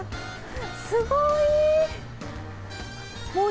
すごいー。